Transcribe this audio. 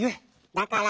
「だから」。